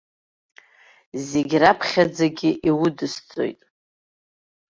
Зегь раԥхьаӡагьы иудысҵоит.